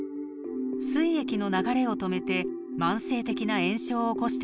すい液の流れを止めて慢性的な炎症を起こしていたのです。